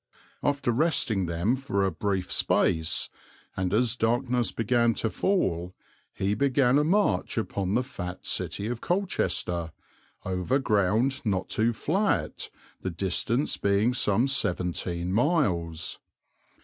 After resting them for a brief space, and as darkness began to fall, he began a march upon the fat city of Colchester, over ground not too flat, the distance being some seventeen miles.